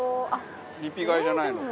でも、リピ買いじゃないのか。